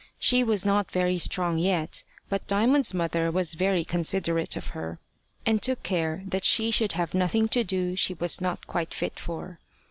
She was not very strong yet, but Diamond's mother was very considerate of her, and took care that she should have nothing to do she was not quite fit for.